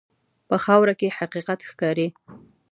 په خاوره کې حقیقت ښکاري.